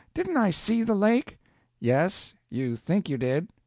Didn't I see the lake?" "Yes—you think you did."